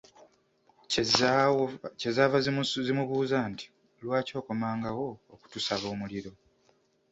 Kye zaava zimubuuza nti, lwaki okomangawo okutusaba omuliro?